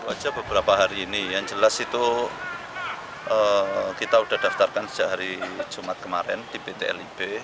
aja beberapa hari ini yang jelas itu kita sudah daftarkan sejak hari jumat kemarin di pt lib